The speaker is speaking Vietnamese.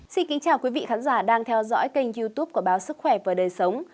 xin kính chào quý vị khán giả đang theo dõi kênh youtube của báo sức khỏe và đời sống